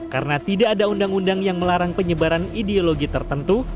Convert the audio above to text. karena tidak ada undang undang yang melarang penyebaran ideologi tertentu